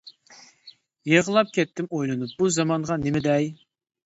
يىغلاپ كەتتىم ئويلىنىپ، بۇ زامانغا نېمە دەي؟ !